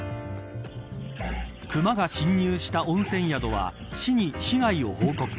クマが侵入した温泉宿は市に被害を報告。